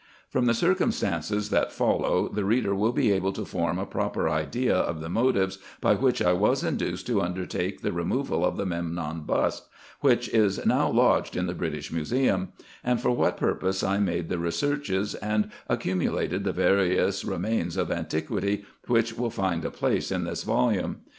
From the circumstances that follow, the reader will be able to form a proper idea of the motives by which I was induced to undertake the removal of the Memnion bust, which is now lodged in the British Museum ; and for what purpose I made the re searches, and accumulated the various remains of antiquity, which will find a place in this volume.